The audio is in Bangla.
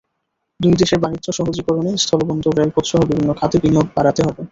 দুই দেশের বাণিজ্য সহজীকরণে স্থলবন্দর, রেলপথসহ বিভিন্ন খাতে বিনিয়োগ বাড়াতে হবে।